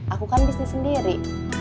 aku kan bisnis sendiri